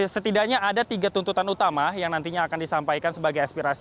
setidaknya ada tiga tuntutan utama yang nantinya akan disampaikan sebagai aspirasi